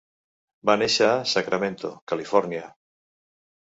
Va néixer a Sacramento, Califòrnia.